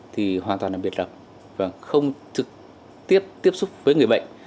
thì hoàn toàn là biệt lập không thực tiếp tiếp xúc với người bệnh